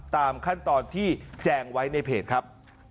ตามขั้นตอนที่แจงไว้ในเพจครับ